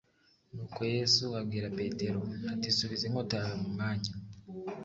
Nuko Yesu abwira Petero ati subiza inkota yawe mu mwanya